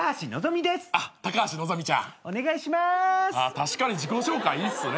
確かに自己紹介いいっすね。